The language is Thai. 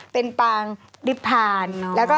เป็นปางฝีภาณ